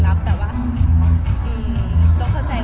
แม็กซ์ก็คือหนักที่สุดในชีวิตเลยจริง